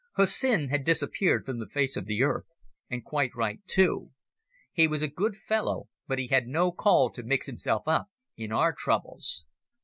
Hussin had disappeared from the face of the earth, and quite right too. He was a good fellow, but he had no call to mix himself up in our troubles.